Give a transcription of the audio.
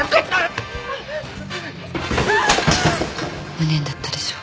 無念だったでしょう。